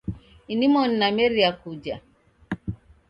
Inimoni nameria kuja